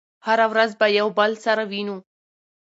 هره ورځ به يو بل سره وينو